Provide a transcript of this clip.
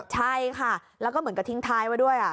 ใช่ค่ะแล้วก็เหมือนกับทิ้งท้ายไว้ด้วย